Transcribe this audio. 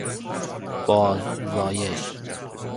باززایش